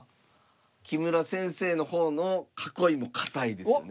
木村先生の方の囲いも堅いですよね。